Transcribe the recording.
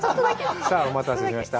お待たせしました。